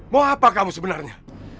mau apa kamu sebenarnya